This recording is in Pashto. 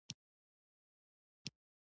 د کونړ د قیمتي ډبرو کانونه ډیر دي.